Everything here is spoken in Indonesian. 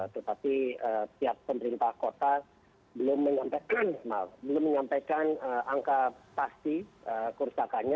tetapi pihak pemerintah kota belum menyampaikan angka pasti kerusakannya